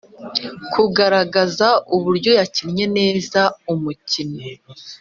kugaragaza uburyo yakinnye neza umukino,